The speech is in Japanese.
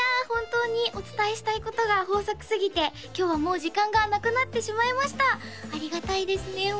本当にお伝えしたいことが豊作すぎて今日はもう時間がなくなってしまいましたありがたいですね